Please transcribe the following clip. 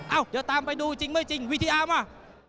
เอ้าเดี๋ยวตามไปดูจริงไม่จริงวิทยามา